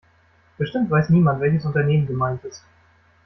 Bestimmt weiß niemand, welches Unternehmen gemeint ist.